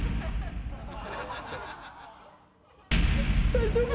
大丈夫？